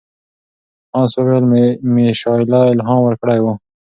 هانس وویل میشایلا الهام ورکړی و.